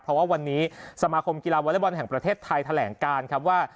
เพราะว่าวันนี้สมาคมกีฬาวอเล็กบอลแห่งประเทศไทยแถลงการครับว่า